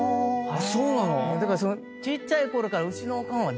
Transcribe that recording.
そうなの⁉